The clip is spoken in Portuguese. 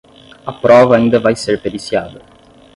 A prova ainda vai ser periciada.